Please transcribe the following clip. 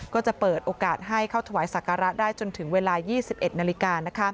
ก็จะเปิดโอกาสให้เข้าถวายศักระได้จนถึงเวลา๒๑นาฬิกา